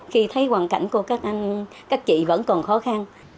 khi thấy hoàn cảnh của các anh các chị vẫn còn khó khăn